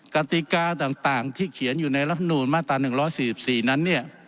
กติกาต่างที่เขียนอยู่ในรัฐมนูลมาตรา๑๔๔นั้นเนี่ย